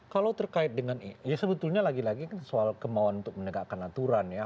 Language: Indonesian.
kalau terkait dengan ya sebetulnya lagi lagi kan soal kemauan untuk menegakkan aturan ya